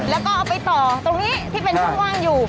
แล้วก็เอาไปต่อตรงนี้ที่เป็นช่องว่างอยู่